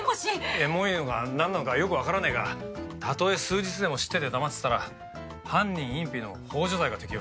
えもいのがなんなのかよくわからねえがたとえ数日でも知ってて黙ってたら犯人隠避の幇助罪が適用されるぞ。